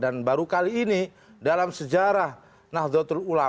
dan baru kali ini dalam sejarah nahdlatul ulama ro'es am